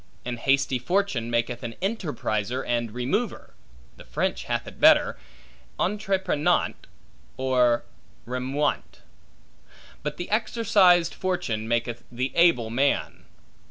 An hasty fortune maketh an enterpriser and remover (the French hath it better, entreprenant, or remuant); but the exercised fortune maketh the able man.